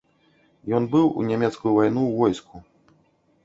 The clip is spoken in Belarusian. Ён быў у нямецкую вайну ў войску.